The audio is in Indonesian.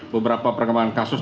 beberapa perkembangan kasus